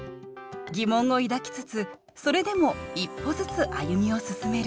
疑問を抱きつつそれでも一歩ずつ歩みを進める。